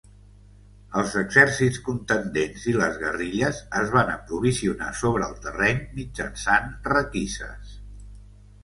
Els exèrcits contendents i les guerrilles es van aprovisionar sobre el terreny mitjançant requises.